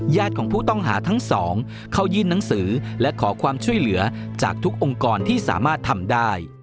ของผู้ต้องหาทั้งสองเข้ายื่นหนังสือและขอความช่วยเหลือจากทุกองค์กรที่สามารถทำได้